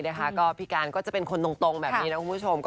นะคะก็พี่การก็จะเป็นคนตรงแบบนี้นะคุณผู้ชม